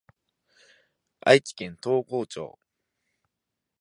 愛知県東郷町